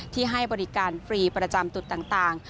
ให้บริการฟรีประจำจุดต่าง